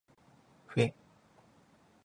ふぇ